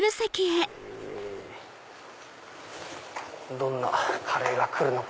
どんなカレーが来るのか。